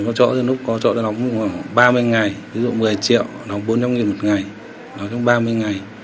còn có chỗ thì lúc có chỗ đóng khoảng ba mươi ngày ví dụ một mươi triệu đóng bốn trăm linh nghìn một ngày đóng trong ba mươi ngày